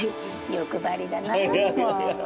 欲張りだなもう。